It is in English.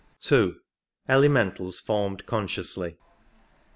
2. Ele mentals formed consciously.